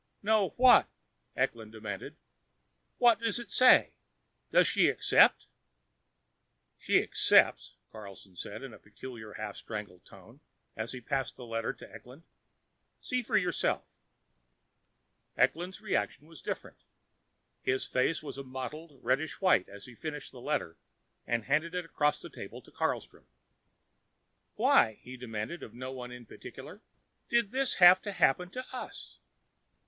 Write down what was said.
"Know what?" Eklund demanded. "What does it say? Does she accept?" "She accepts," Christianson said in a peculiar half strangled tone as he passed the letter to Eklund. "See for yourself." Eklund's reaction was different. His face was a mottled reddish white as he finished the letter and handed it across the table to Carlstrom. "Why," he demanded of no one in particular, "did this have to happen to us?"